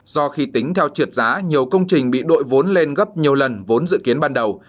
do khi tính theo triệt giá nhiều công trình bị đội vốn lên gấp nhiều lần vốn dự kiến ban đầu